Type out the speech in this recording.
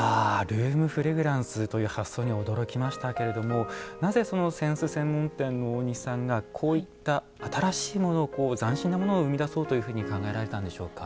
ルームフレグランスという発想には驚きましたが、なぜその扇子専門店の大西さんがこういった新しいものを斬新なものを生み出そうと考えられたんでしょうか。